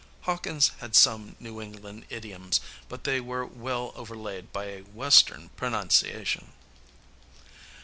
Hawkins had some New England idioms, but they were well overlaid by a Western pronunciation.